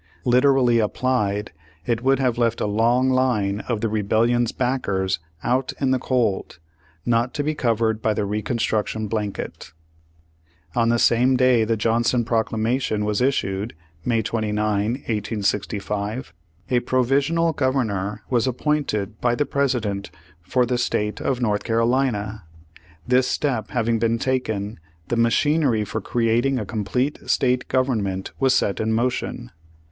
Literally applied, it would have left a long line of the Rebellion's backers out in the cold, not to be covered by the Reconstruction blanket. On the same day the Johnson proclamation was issued, May 29, 1865, a provisional governor was Page One Hundred fifty seven appointed by the President for the state of North Carolina. This step having been taken, the ma chinery for creating a complete State Government was set in motion.